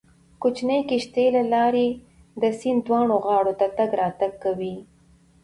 کوچنۍ کښتۍ له لارې د سیند دواړو غاړو ته تګ راتګ کوي